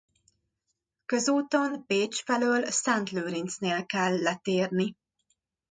Közúton Pécs felől Szentlőrincnél kell letérni.